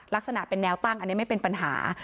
ลักษณะเป็นแนวตั้งอันนี้ไม่เป็นปัญหา